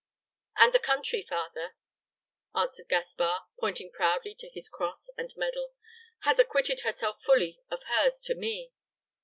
"And the country, father," answered Gaspar, pointing proudly to his cross and medal, "has acquitted herself fully of hers to me."